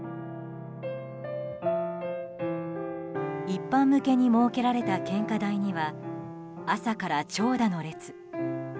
一般向けに設けられた献花台には朝から長蛇の列。